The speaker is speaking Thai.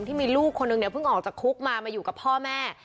ที่มีลูกคนนึงเนี่ยเพิ่งออกจากคุกมามาอยู่กับพ่อแม่